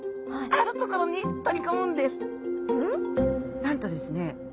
なんとですね